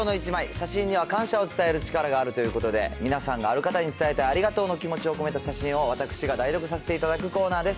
写真には感謝を伝える力があるということで、皆さんがある方に伝えたいありがとうの気持ちを込めた写真を私が代読させていただくコーナーです。